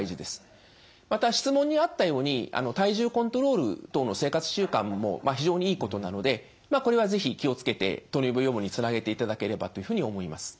また質問にあったように体重コントロール等の生活習慣も非常にいいことなのでこれは是非気をつけて糖尿病予防につなげていただければというふうに思います。